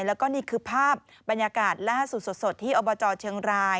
แล้วก็นี่คือภาพบรรยากาศล่าสุดสดที่อบจเชียงราย